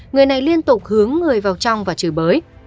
người này liên tục hướng người vào trong và chửi bới